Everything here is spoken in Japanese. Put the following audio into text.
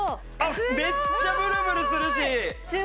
めっちゃブルブルするし。